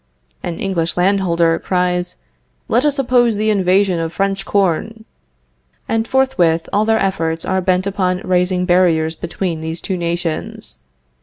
An English landholder cries; Let us oppose the invasion of French corn. And forthwith all their efforts are bent upon raising barriers between these two nations.